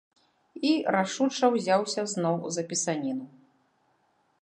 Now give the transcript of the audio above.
І рашуча ўзяўся зноў за пісаніну.